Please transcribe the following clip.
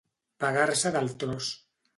Pagar-se del tros.